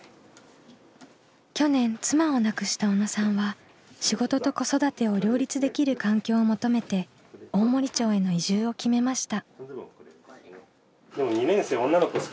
去年妻を亡くした小野さんは仕事と子育てを両立できる環境を求めて大森町への移住を決めました。